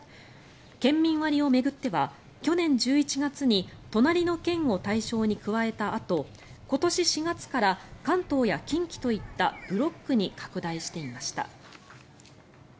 県民割を巡っては去年１１月に隣の県を対象に加えたあと今年４月から関東や近畿といったブロックに拡大していました。